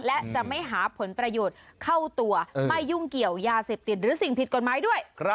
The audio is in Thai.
และจะไม่หาผลประโยชน์เข้าตัวไม่ยุ่งเกี่ยวยาเสพติดหรือสิ่งผิดกฎหมายด้วย